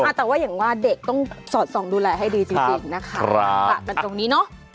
อ่ะแต่ว่าอย่างว่าเด็กต้องสอดส่องดูแลให้ดีจริงนะคะครับเอาล่ะกลับกันตรงนี้เนาะ